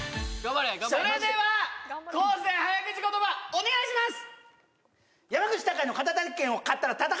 それでは昴生早口言葉お願いします